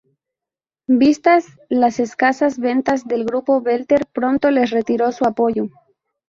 Vistas las escasas ventas del grupo, Belter pronto les retiró su apoyo.